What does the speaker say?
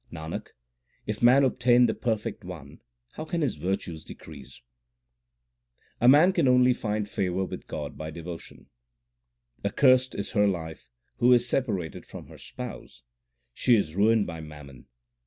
Nanak, if man obtain the Perfect One how can his virtues decrease ? A man can only find favour with God by devotion : Accursed is her life who is separated from her Spouse ; she is ruined by mammon.